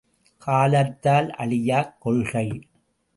காலத்தால் அழியாக் கொள்கை.